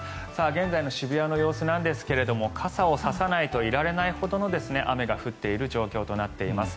現在の渋谷の様子なんですが傘を差さないといられないほどの雨が降っている状況となっています。